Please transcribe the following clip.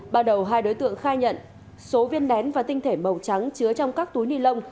bắt đầu hai đối tượng khai nhận số viên nén và tinh thể màu trắng chứa trong các túi nilon